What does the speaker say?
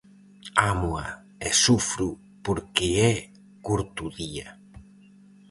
Ámoa e sufro porque é corto o día.